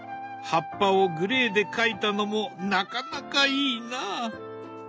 葉っぱをグレーで描いたのもなかなかいいな。